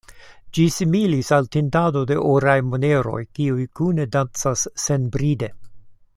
Ĝi similis al tintado de oraj moneroj, kiuj kune dancas senbride.